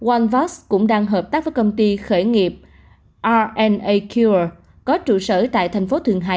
onevax cũng đang hợp tác với công ty khởi nghiệp rna cure có trụ sở tại thành phố thường hải